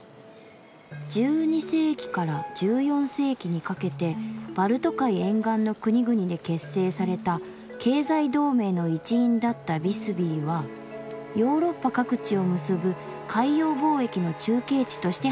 「１２世紀から１４世紀にかけてバルト海沿岸の国々で結成された経済同盟の一員だったビスビーはヨーロッパ各地を結ぶ海洋貿易の中継地として繁栄した。